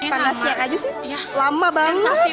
panasnya aja sih lama banget sih